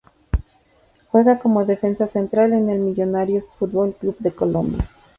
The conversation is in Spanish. Juega como defensa central en el Millonarios Fútbol Club de Colombia.